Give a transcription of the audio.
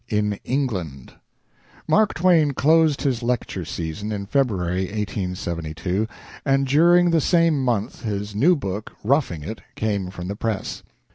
IN ENGLAND Mark Twain closed his lecture season in February (1872), and during the same month his new book, "Roughing It," came from the press.